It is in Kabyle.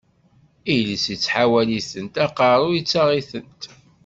Iles ittḥawal-itent, aqeṛṛu ittaɣ-itent.